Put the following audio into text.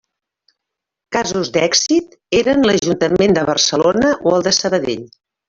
Casos d'èxit eren l'Ajuntament de Barcelona o el de Sabadell.